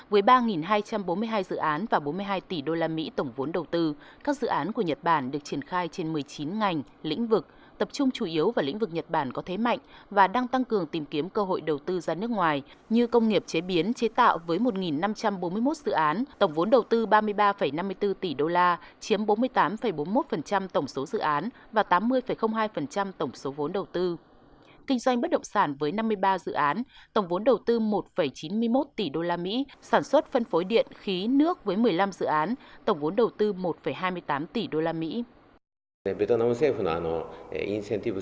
với ba hai trăm bốn mươi hai dự án và bốn mươi hai tỷ đô la mỹ tổng vốn đầu tư các dự án của nhật bản được triển khai trên một mươi chín ngành lĩnh vực tập trung chủ yếu vào lĩnh vực nhật bản có thế mạnh và đang tăng cường tìm kiếm cơ hội đầu tư ra nước ngoài như công nghiệp chế biến chế tạo với một năm trăm bốn mươi một dự án tổng vốn đầu tư ba mươi ba năm mươi bốn tỷ đô la chiếm bốn mươi tám bốn mươi một tổng số dự án và tám mươi hai tổng số vốn đầu tư